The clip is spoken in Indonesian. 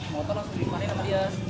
motor langsung dimarin sama dia